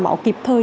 máu kịp thời